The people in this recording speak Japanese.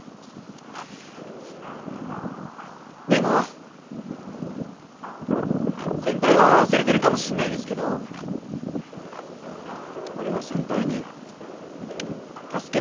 でも先輩は忘れてるかもしんないですけど俺は先輩に助けられたことがあって。